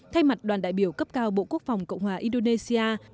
thay mặt đoàn đại biểu cấp cao bộ quốc phòng cộng hòa indonesia